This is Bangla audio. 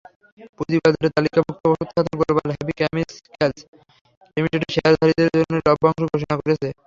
পুঁজিবাজারে তালিকাভুক্ত ওষুধ খাতের গ্লোবাল হেভি কেমিক্যালস লিমিটেড শেয়ারধারীদের জন্য লভ্যাংশ ঘোষণা করেছে।